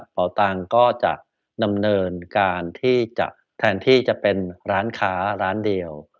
เป่าตังก็จะดำเนินการที่จะแทนที่จะเป็นร้านค้าร้านเดียว